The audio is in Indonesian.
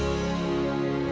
yaudah tapi hati hati ya